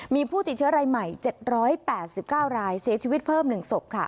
มีผู้ติดเชื้อรายใหม่๗๘๙รายเสียชีวิตเพิ่ม๑ศพค่ะ